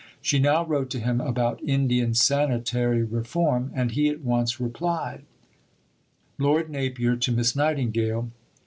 She now wrote to him about Indian sanitary reform, and he at once replied: (_Lord Napier to Miss Nightingale.